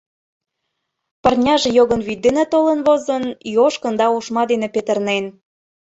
Пырняже йогын вӱд дене толын возын, йошкын да ошма дене петырнен.